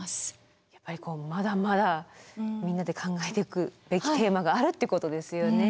やっぱりこうまだまだみんなで考えていくべきテーマがあるってことですよね。